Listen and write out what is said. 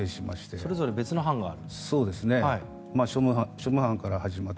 それぞれ別の班がある？